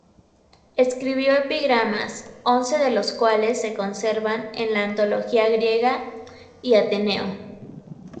Escribió epigramas, once de los cuales se conservan en la "Antología griega" y Ateneo.